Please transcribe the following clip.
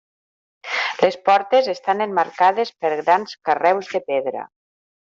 Les portes estan emmarcades per grans carreus de pedra.